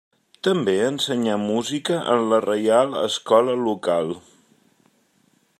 També ensenyà música en la reial escola local.